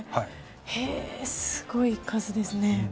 へぇすごい数ですね。